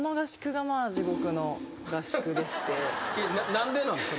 何でなんすか？